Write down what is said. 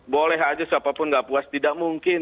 boleh aja siapa pun nggak puas tidak mungkin